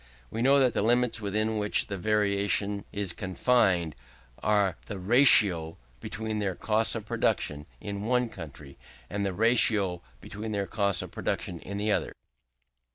We know that the limits within which the variation is confined are the ratio between their costs of production in the one country, and the ratio between their costs of production in the other.